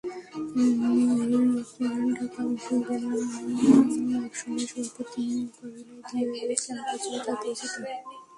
মীর লোকমান ঢাকা বিশ্ববিদ্যালয়ের মাইম অ্যাকশনের সভাপতি, মূকাভিনয় দিয়ে ক্যাম্পাসজুড়ে যাঁর পরিচিতি।